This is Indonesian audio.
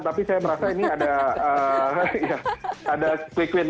tapi saya merasa ini ada quick win